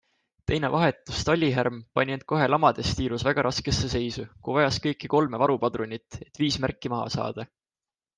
Teine vahetus Talihärm pani end kohe lamadestiirus väga raskesse seisu, kui vajas kõiki kolme varupadrunit, et viis märki maha saada.